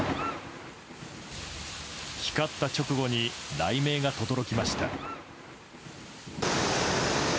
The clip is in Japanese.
光った直後に雷鳴がとどろきました。